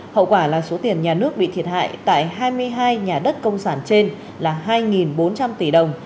hậu quả là số tiền nhà nước bị thiệt hại tại hai mươi hai nhà đất công sản trên là hai bốn trăm linh tỷ đồng